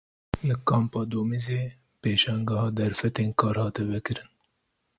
Li Kampa Domîzê pêşangeha derfetên kar hate vekirin.